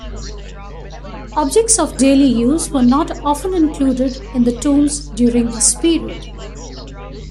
Objects of daily use were not often included in the tombs during this period.